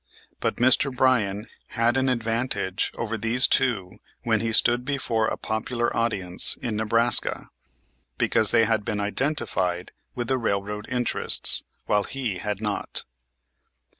But Mr. Bryan had an advantage over these two when he stood before a popular audience in Nebraska, because they had been identified with the railroad interests, while he had not.